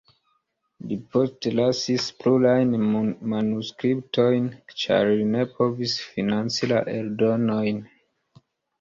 Li postlasis plurajn manuskriptojn, ĉar li ne povis financi la eldonojn.